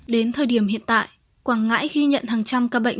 đến thời điểm hiện tại quảng ngãi ghi nhận hàng trăm ca bệnh